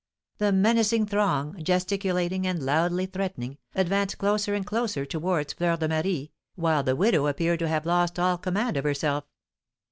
The menacing throng, gesticulating, and loudly threatening, advanced closer and closer towards Fleur de Marie, while the widow appeared to have lost all command over herself.